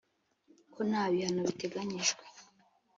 ko nta bihano biteganyijwe?